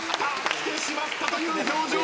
来てしまったという表情。